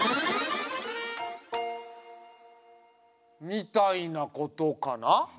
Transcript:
みたいなことかな？